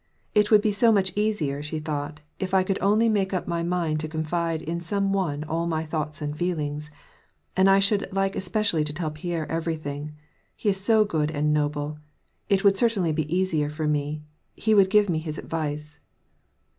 " It would be so much easier," she thought, " if I could only make up my mind to confide in some one all my thoughts and feel ings. And I should like especially to tell Pierre everything. He is so good and noble. It would certainly be easier for me. He would give me his advice."